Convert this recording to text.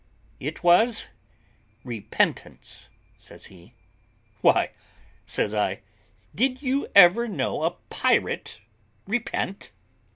"It was repentance," says he. "Why," says I, "did you ever know a pirate repent?"